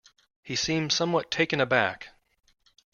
He seemed somewhat taken aback.